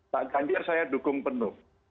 tak gandir saya dukung penuh